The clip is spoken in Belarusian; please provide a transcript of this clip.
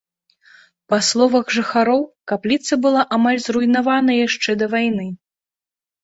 Па словах жыхароў, капліца была амаль зруйнавана яшчэ да вайны.